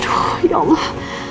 aduh ya allah